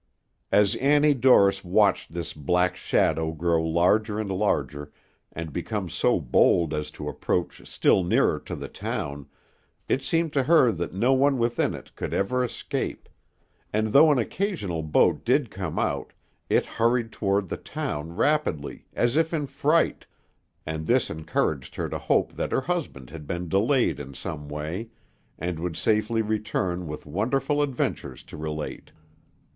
As Annie Dorris watched this black shadow grow larger and larger, and become so bold as to approach still nearer to the town, it seemed to her that no one within it could ever escape; and though an occasional boat did come out, it hurried toward the town rapidly, as if in fright, and this encouraged her to hope that her husband had been delayed in some way, and would safely return with wonderful adventures to relate.